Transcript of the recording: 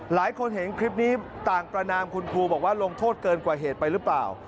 หลายคนเห็นคลิปนี้ต่างประนามคุณครูบอกว่าลงโทษเกินกว่าเหตุไปหรือเปล่า